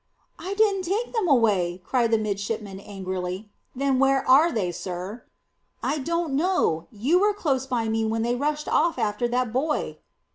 "I didn't take them away!" cried the midshipman angrily. "Then where are they, sir?" "I don't know. You were close by me when they rushed off after that boy."